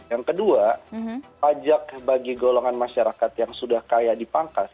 yang kedua pajak bagi golongan masyarakat yang sudah kaya dipangkas